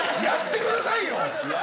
やってくださいよ！